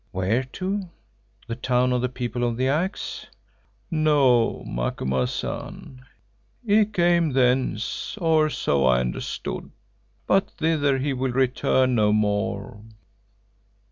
"Where to? The Town of the People of the Axe?" "No, Macumazahn, he came thence, or so I understood, but thither he will return no more."